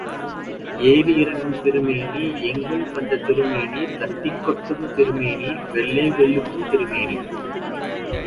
ஏறி இறங்கும் திருமேனி, எங்கும் கண்ட திருமேனி, தட்டிக் கொட்டும் திருமேனி, வெள்ளை வெளுக்கும் திருமேனி.